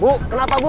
bu kenapa bu